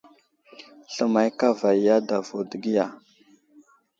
Sləmay kava i adavo dəgiya.